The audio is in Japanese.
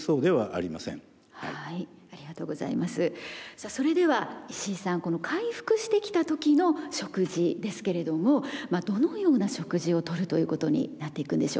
さあそれでは石井さん回復してきた時の食事ですけれどもどのような食事をとるということになっていくんでしょうか？